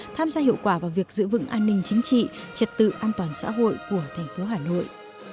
tham gia hiệu quả vào việc giữ vững an ninh chính trị trật tự an toàn xã hội của thành phố hà nội